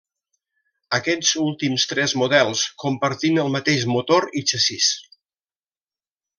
Aquests últims tres models compartint el mateix motor i xassís.